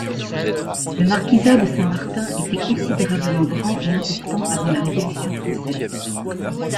Le marquisat de Saint-Martin était considérablement grand et important avant la Révolution française.